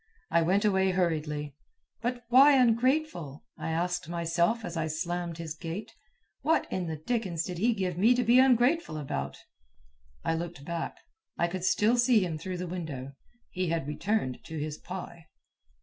I went away hurriedly. "But why ungrateful?" I asked myself as I slammed his gate. "What in the dickens did he give me to be ungrateful about?" I looked back. I could still see him through the window. He had returned to his pie.